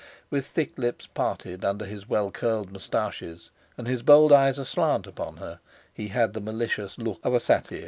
With thick lips parted under his well curled moustaches, and his bold eyes aslant upon her, he had the malicious look of a satyr.